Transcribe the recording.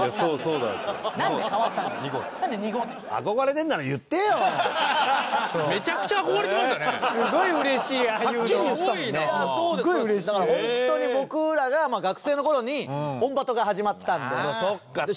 だから本当に僕らが学生の頃に『オンバト』が始まったんで。